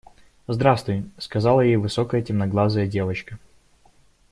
– Здравствуй, – сказала ей высокая темноглазая девочка.